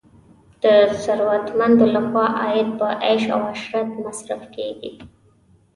د ثروتمندو لخوا عاید په عیش او عشرت مصرف کیږي.